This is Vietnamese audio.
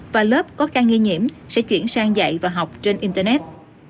và lớp có ca nghi nhiễm sẽ chuyển sang dạy và học trên internet